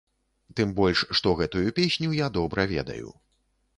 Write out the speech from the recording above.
Тым больш, што гэтую песню я добра ведаю.